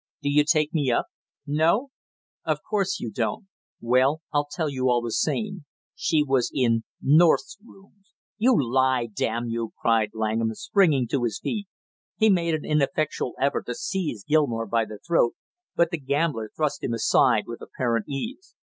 Do you take me up? No? Of course you don't! Well, I'll tell you all the same. She was in North's rooms " "You lie, damn you!" cried Langham, springing to his feet. He made an ineffectual effort to seize Gilmore by the throat, but the gambler thrust him aside with apparent ease.